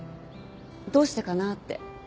どうしてかなーって。